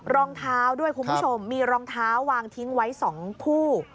รองเท้าด้วยคุณผู้ชมมีรองเท้าวางทิ้งไว้๒คู่